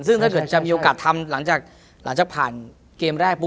ซึ่งถ้าเกิดจะมีโอกาสทำหลังจากผ่านเกมแรกปุ๊